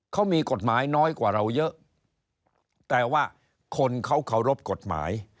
เขามีกฎหมายน้อยกว่าเราเยอะแต่ว่าคนเขาเคารพกฎหมาย